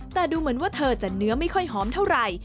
แต่ดูเหมือนว่าเธอจะเนื้อไม่ค่อยหอมเท่าไหร่